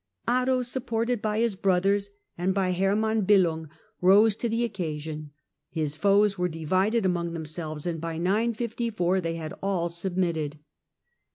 Otto, supported by his brothers and by Hermann Billung, rose to the occasion. His foes were divided among themselves, and by 954 they had all submitted.